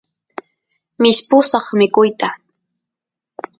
mishpusaq mikuyta